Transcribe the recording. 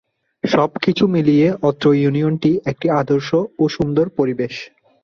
সবকিছু মিলিয়ে অত্র ইউনিয়নটি একটি আদর্শ ও সুন্দর পরিবেশ।